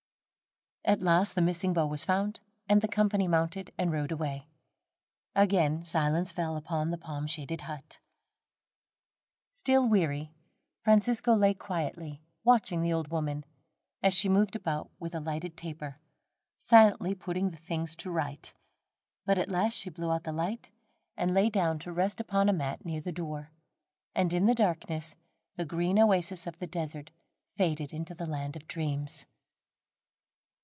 At last the missing bow was found, and the company mounted and rode away. Again silence fell upon the palm shaded hut. Still weary, Francisco lay quietly watching the old woman, as she moved about with a lighted taper, silently putting the things to rights; but at last she blew out the light, and lay down to rest upon a mat near the door, and in the darkness, the green oasis of the desert faded into the land of dreams.